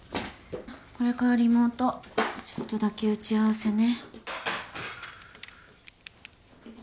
これからリモートちょっとだけ打ち合わせね。